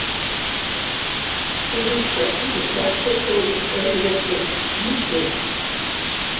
— Урыҫса түгел, башҡортса уҡыусы ла һирәк тә бит, ни эшләйһең.